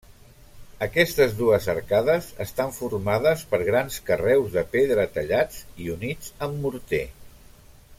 Aquestes dues arcades estan formades per grans carreus de pedra tallats i units amb morter.